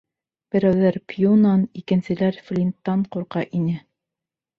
Берәүҙәр Пьюнан, икенселәр Флинттан ҡурҡа ине.